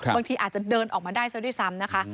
บางทีอาจจะเดินออกมาได้ซะด้วยซ้ำนะคะ